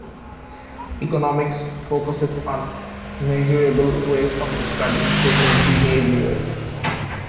Economics focuses on measurable ways of describing social behavior.